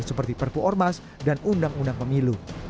seperti perpu ormas dan undang undang pemilu